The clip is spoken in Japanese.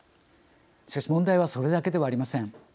しかし問題はそれだけではありません。